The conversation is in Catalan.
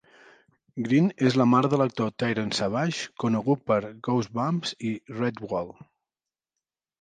Green és la mare de l'actor Tyrone Savage, conegut per "Goosebumps" i "Redwall".